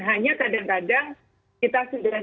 hanya kadang kadang kita sudah